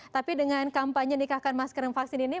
tapi dengan kampanye nikahkan masker dan vaksin ini